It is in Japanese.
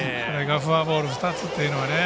フォアボール２つっていうのはね。